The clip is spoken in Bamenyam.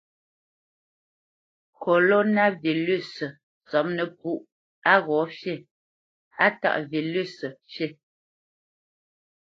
Kolona vilʉsǝ tsópnǝpú á ghǒ fí, á taʼ vilʉsǝ fǐ.